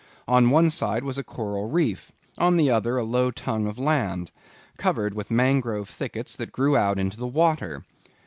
On one side was a coral reef; on the other a low tongue of land, covered with mangrove thickets that grew out into the water.